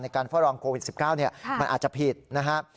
การเฝ้ารองโควิด๑๙มันอาจจะผิดนะครับ